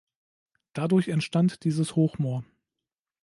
Dadurch entstand dieses Hochmoor.